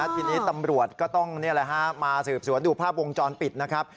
ทีนี้ตำรวจก็ต้องมาสืบสวนดูภาพวงจรปิดนะครับ